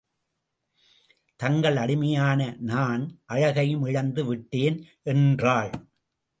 தங்கள் அடிமையான நான், அழகையும் இழந்து விட்டேன்! என்றாள்.